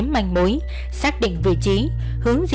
mấy cây không